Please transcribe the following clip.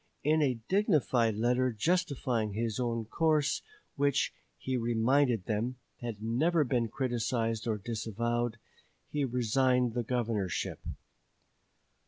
In a dignified letter justifying his own course, which, he reminded them, had never been criticized or disavowed, he resigned the governorship.